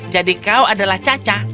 jadi kau adalah caca